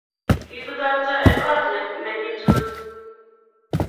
kigotorto eng koot negituy